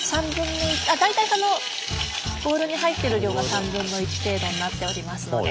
大体そのボウルに入ってる量が３分の１程度になっておりますので。